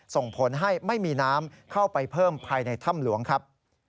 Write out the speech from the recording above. ส่งผลให้ไม่มีน้ำเข้าไปเพิ่มภายในถ้ำหลวงครับ